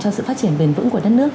cho sự phát triển bền vững của đất nước